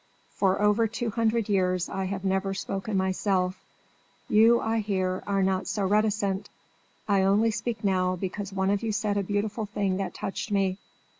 For over two hundred years I have never spoken myself: you, I hear, are not so reticent. I only speak now because one of you said a beautiful thing that touched me.